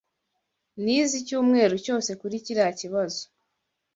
Nize icyumweru cyose kuri kiriya kibazo.